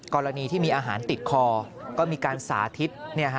กรณีที่มีอาหารติดคอก็มีการสาธิต